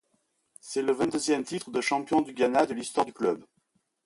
C'est le vingt-deuxième titre de champion du Ghana de l'histoire du club.